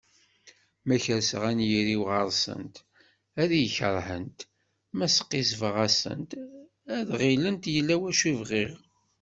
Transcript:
Ma kerseɣ anyir-iw ɣer-sent ad iyi-kerhent, ma sqizzbeɣ-asent ad ɣillent yella wacu i bɣiɣ.